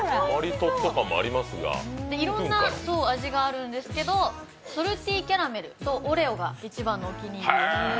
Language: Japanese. いろんな味があるんですけど、ソルティキャラメルとオレオが一番のお気に入りです。